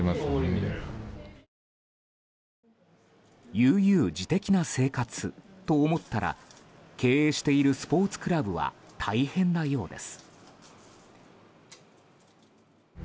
悠々自適な生活と思ったら経営しているスポーツクラブは大変なようです。